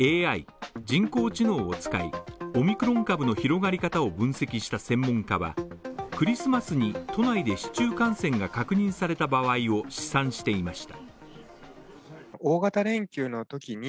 ＡＩ人工知能を使い、オミクロン株の広がり方を分析した専門家はクリスマスに都内で市中感染が確認された場合を試算していました。